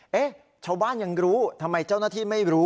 ชาวบ้านยังรู้ทำไมเจ้าหน้าที่ไม่รู้